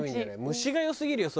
虫が良すぎるよ